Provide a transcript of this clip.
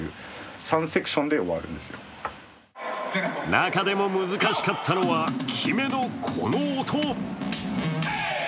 中でも難しかったのは決めのこの音。